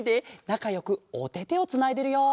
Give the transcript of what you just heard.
なかよくおててをつないでるよ！